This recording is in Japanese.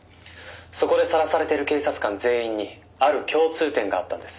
「そこでさらされてる警察官全員にある共通点があったんです」